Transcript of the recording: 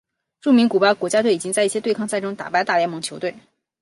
著名古巴国家队已经在一些对抗赛中打败大联盟球队。